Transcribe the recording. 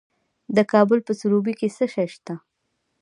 د کابل په سروبي کې څه شی شته؟